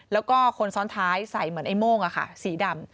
แล้วก็คนซ้อนท้ายใส่เหมือนไอ้โม่งสีดำ